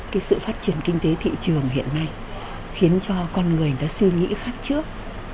cái sự phát triển kinh tế thị trường hiện nay khiến cho con người nó suy nghĩ khác trước